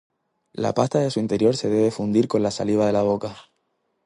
La pasta de su interior se debe fundir con la saliva de la boca.